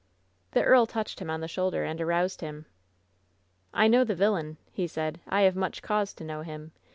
The earl touched him on the shoulder and aroused him. "I know the villain!" he said. "I have much cause to know him!